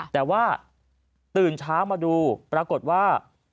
แต่ว่าตื่นเช้ามาดูปรากฏว่า